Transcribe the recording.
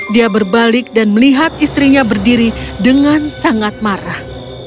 dia berbalik dan melihat istrinya berdiri dengan sangat marah